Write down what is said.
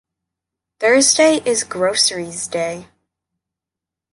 Thursday is groceries day.